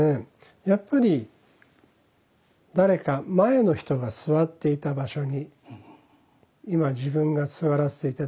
やっぱり誰か前の人が座っていた場所に今自分が座らせて頂けるということの感謝ですか。